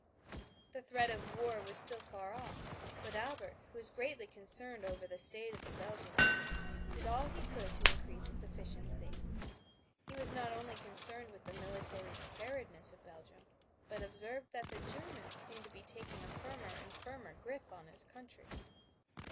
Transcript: The threat of war was still far off, but Albert, who was greatly concerned over the state of the Belgian army, did all he could to increase its efficiency. He was not only concerned with the military preparedness of Belgium, but observed that the Germans seemed to be taking a firmer and firmer grip on his country.